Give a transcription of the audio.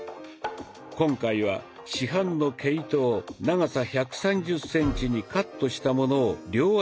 今回は市販の毛糸を長さ１３０センチにカットしたものを両足に巻きます。